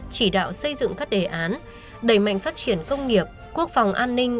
chỉ đạo xây dựng các đề án đẩy mạnh phát triển công nghiệp quốc phòng an ninh